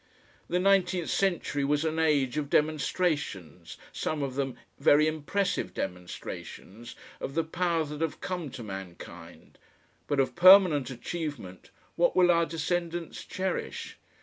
The nineteenth century was an age of demonstrations, some of them very impressive demonstrations, of the powers that have come to mankind, but of permanent achievement, what will our descendants cherish?